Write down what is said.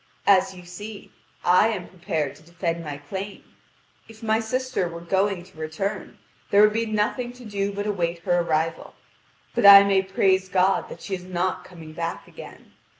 As you see, I am prepared to defend my claim. If my sister were going to return, there would be nothing to do but await her arrival. But I may praise God that she is not coming back again.